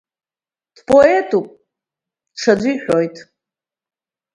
Дпоетуп, ҽаӡәы иҳәоит…